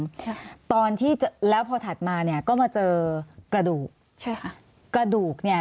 ค่ะตอนที่แล้วพอถัดมาเนี้ยก็มาเจอกระดูกใช่ค่ะกระดูกเนี้ย